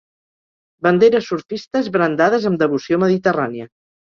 Banderes surfistes brandades amb devoció mediterrània.